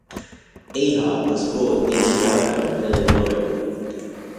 Iha was born in Chicago, Illinois.